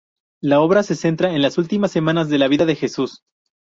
La obra se centra en las últimas semanas de la vida de Jesús.